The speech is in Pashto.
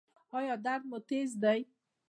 ایا درد مو تېز دی؟